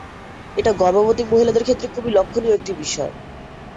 এটা গর্ভবতী মহিলার ক্ষেত্রে খুবই লক্ষণীয় একটি বিষয়।